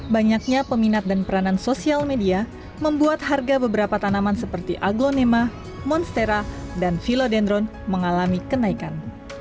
banyaknya peminat dan peranan sosial media membuat harga beberapa tanaman seperti aglonema monstera dan philodendron mengalami kenaikan